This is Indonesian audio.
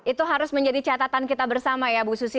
itu harus menjadi catatan kita bersama ya bu susi